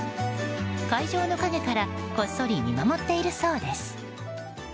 会場の陰からこっそり見守っているそうです。